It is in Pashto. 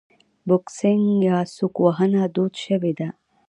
بوکسینګ یا سوک وهنه دود شوې ده.